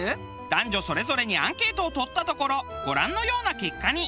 男女それぞれにアンケートを取ったところご覧のような結果に。